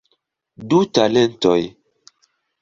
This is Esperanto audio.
Du talentoj.